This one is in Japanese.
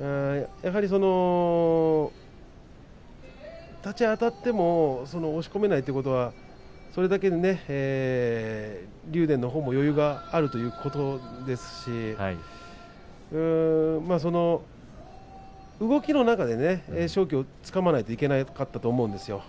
やはり立ち合いあたっても押し込めないということはそれだけ竜電のほうも余裕があるということですし動きの中で勝機をつかまないといけなかったと思うんですよ